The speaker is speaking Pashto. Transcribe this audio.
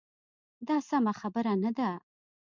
دا سمه خبره نه ده.